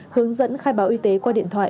hướng dẫn khai báo y tế qua điện thoại